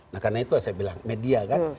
nah karena itu saya bilang media kan